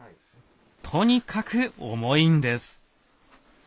とにかく重いんです。